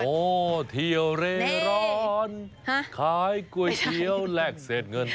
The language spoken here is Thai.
โอ้โหเที่ยวเร่ร้อนขายก๋วยเตี๋ยวแลกเศษเงิน